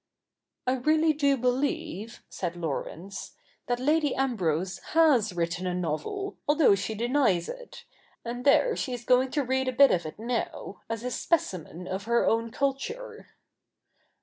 * I really do believe,' said Laurence, ' that Lady Ambrose has written a novel, although she denies it ; and there she is going to read a bit of it now, as a specimen of her own culture.'